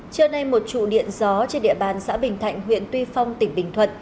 trưa nay một trụ điện gió trên địa bàn xã bình thạnh huyện tuy phong tỉnh bình thuận